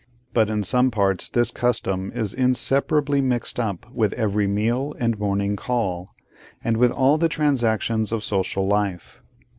But in some parts, this custom is inseparably mixed up with every meal and morning call, and with all the transactions of social life.